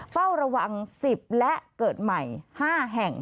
เฝ้าระวัง๑๐และเกิดใหม่๕แห่ง